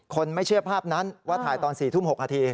ไม่เชื่อภาพนั้นว่าถ่ายตอน๔ทุ่ม๖นาที